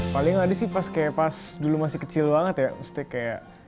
paling adi sih pas kayak pas dulu masih kecil banget ya maksudnya kayak